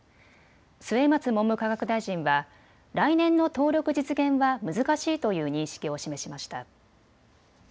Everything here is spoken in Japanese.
末松文部科学大臣は来年の登録実現は難しいという認識を示しました。